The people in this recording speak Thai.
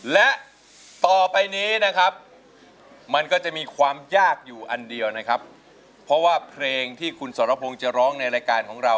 และต่อไปนี้นะครับมันก็จะมีความยากอยู่อันเดียวนะครับเพราะว่าเพลงที่คุณสรพงศ์จะร้องในรายการของเรา